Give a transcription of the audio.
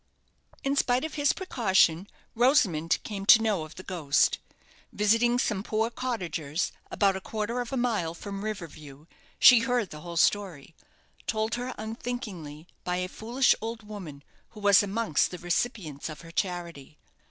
In spite of his precaution, Rosamond came to know of the ghost. Visiting some poor cottagers, about a quarter of a mile from River View, she heard the whole story told her unthinkingly by a foolish old woman, who was amongst the recipients of her charity.